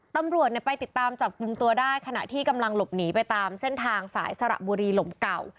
ตำรวจไปติดตามจับกลุ่มตัวได้ขณะที่กำลังหลบหนีไปตามเส้นทางสายสระบุรีหลมเก่า